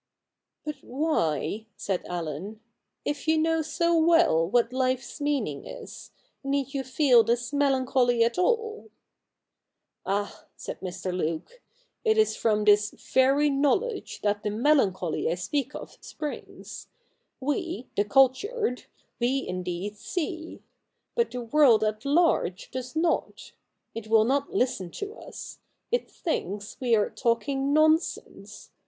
' But why,' said Allen, ' if you know so well what life's meaning is, need you feel this melancholy at all ?'' Ah !' said Mr. Luke, ' it is from this very know ledge that the melancholy I speak of springs. We — the cultured — we indeed see. But the world at large does not. It will not listen to us. It thinks we are talking nonsense.